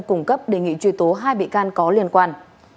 cung cấp đề nghị truy tố hai bị can có liên quan